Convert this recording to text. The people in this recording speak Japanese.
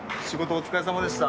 お疲れさまでした。